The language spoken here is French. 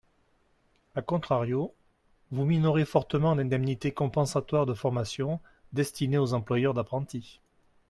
A contrario, vous minorez fortement l’indemnité compensatoire de formation destinée aux employeurs d’apprentis.